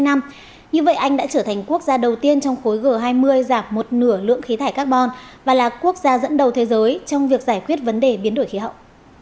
như vậy anh đã trở thành quốc gia đầu tiên trong khối g hai mươi giảm một nửa lượng khí thải carbon và là quốc gia dẫn đầu thế giới trong việc giải quyết vấn đề biến đổi khí hậu